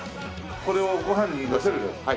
これをご飯にのせる。